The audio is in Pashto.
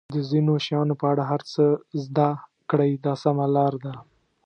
د ځینو شیانو په اړه هر څه زده کړئ دا سمه لار ده.